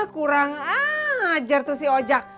kurang ajar tuh si oja